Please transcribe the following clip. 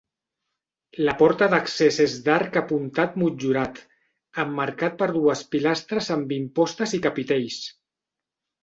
La porta d'accés és d'arc apuntat motllurat, emmarcat per dues pilastres amb impostes i capitells.